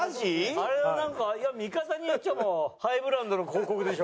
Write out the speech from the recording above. あれはなんかいや見方によっちゃハイブランドの広告でしょ。